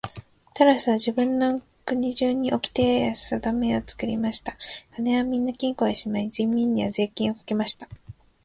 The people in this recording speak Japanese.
タラスは自分の国中におきてやさだめを作りました。金はみんな金庫へしまい、人民には税金をかけました。